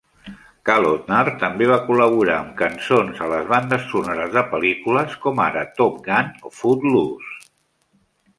Kalodner també va col·laborar amb cançons a les bandes sonores de pel·lícules com ara "Top Gun" o "Footloose".